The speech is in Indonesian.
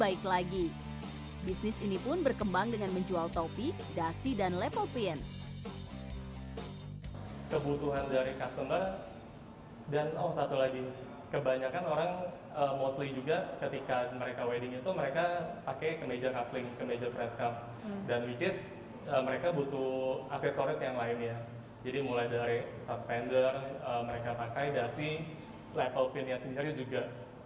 jadi mulai dari suspender mereka pakai dasi level pinnya sendiri juga